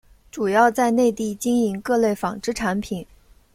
主要在内地经营各类纺织产品。